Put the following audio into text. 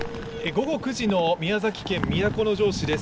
午後９時の宮崎県都城市です。